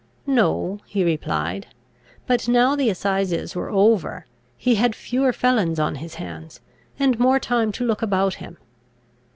No, he replied; but, now the assizes were over, he had fewer felons on his hands, and more time to look about him.